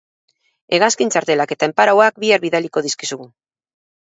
Hegazkin txartelak eta enparauak bihar bidaliko dizkizugu.